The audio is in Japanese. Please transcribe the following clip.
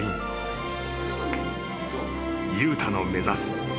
［悠太の目指す